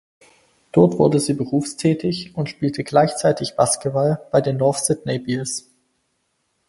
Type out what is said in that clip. Dort wurde sie berufstätig und spielte gleichzeitig Basketball bei den North Sydney Bears.